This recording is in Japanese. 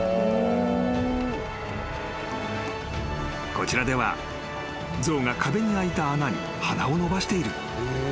［こちらでは象が壁に開いた穴に鼻を伸ばしている］